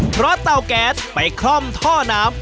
เพราะเตาแก๊สไปคล่อมท่อน้ำ